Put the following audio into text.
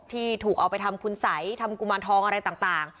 ที่ถูกเอาไปทำคุณสัยทำกุมารทองอะไรต่าง